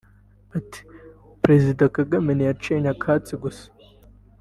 Ati “Perezida Kagame ntiyaciye nyakatsi gusa